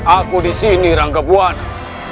aku di sini ranggebuwana